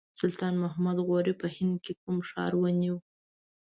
سلطان محمد غوري په هند کې کوم ښار ونیو.